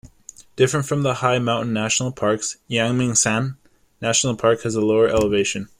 Different from the high mountain national parks, Yangmingshan National Park has a lower elevation.